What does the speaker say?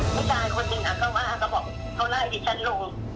พี่ชายคนหนึ่งอะก็ว่าเขาบอกเขาไล่ดิฉันลง